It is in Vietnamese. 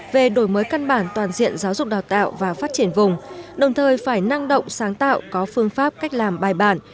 về đổi mới căn bản toàn diện giáo dục đào tạo và phát triển vùng đồng thời phải năng động sáng tạo có phương pháp cách làm bài bản